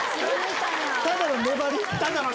・ただの粘り？